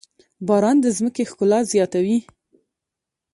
باران د ځمکې ښکلا زياتوي.